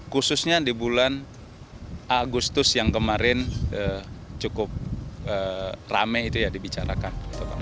khususnya di bulan agustus yang kemarin cukup rame itu ya dibicarakan